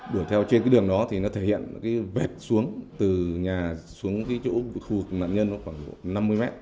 đuổi theo trên cái đường đó thì nó thể hiện cái vẹt xuống từ nhà xuống cái chỗ khu nạn nhân nó khoảng năm mươi mét